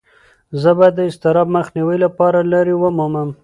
زه باید د اضطراب مخنیوي لپاره لارې ومومم.